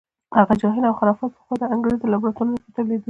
هغه جهل او خرافات پخوا د انګریز په لابراتوارونو کې تولیدېدل.